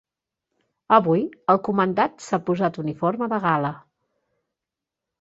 Avui, el Comandat s'ha posat uniforme de gala.